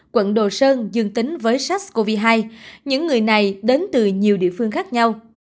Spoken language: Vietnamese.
quận đồ sơn dương tính với sars cov hai những người này đến từ nhiều địa phương khác nhau